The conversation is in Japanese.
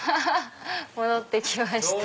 戻って来ました。